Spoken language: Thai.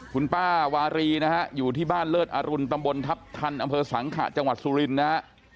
คุณป้าวารีนะฮะอยู่ที่บ้านเลิศอรุณตำบลทัพทันอำเภอสังขะจังหวัดสุรินทร์นะฮะ